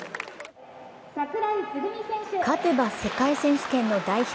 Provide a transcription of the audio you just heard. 勝てば世界選手権の代表。